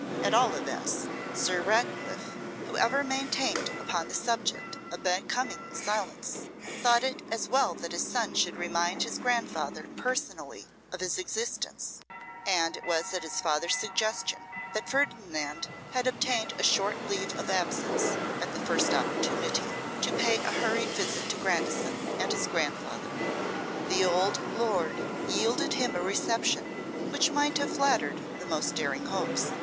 At all events, Sir Ratcliffe, who ever maintained upon the subject a becoming silence, thought it as well that his son should remind his grandfather personally of his existence; and it was at his father's suggestion that Ferdinand had obtained a short leave of absence, at the first opportunity, to pay a hurried visit to Grandison and his grandfather. The old lord yielded him a reception which might have flattered the most daring hopes.